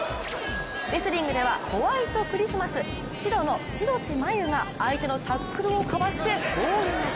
レスリングではホワイトクリスマス、「白」の志土地真優が相手のタックルをかわして、フォール勝ち。